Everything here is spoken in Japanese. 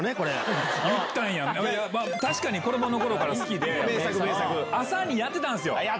確かに子供の頃から好きで朝にやってたんすよ。